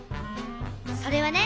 それはね